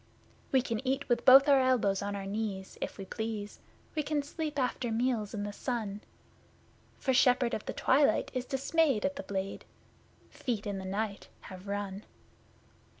We can eat with both our elbows on our knees, if we please, We can sleep after meals in the sun; For Shepherd of the Twilight is dismayed at the Blade, Feet in the Night have run!